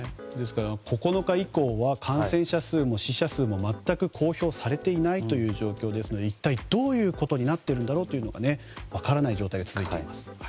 ９日以降は感染者数も死者数も全く公表されていないという状況ですので一体どういうことになっているんだろうというのが分からない状態が続いています。